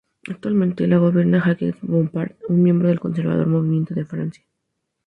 Actualmente lo gobierna Jacques Bompard, un miembro del conservador Movimiento por Francia.